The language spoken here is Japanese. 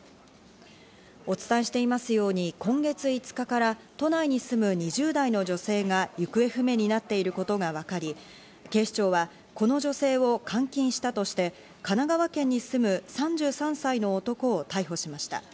お伝えしていますように、今月５日から都内に住む２０代の女性が行方不明になっていることがわかり、警視庁はこの女性を監禁したとして神奈川県に住む３３歳の男を逮捕しました。